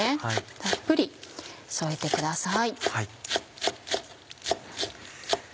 たっぷり添えてください。